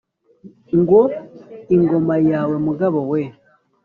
ngo : ingoma yawe mugabo we !